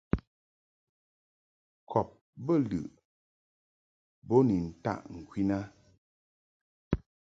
Kɔb bə lɨʼ bo ni ntaʼ ŋkwin a.